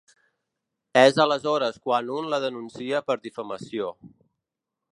És aleshores quan un la denuncia per difamació.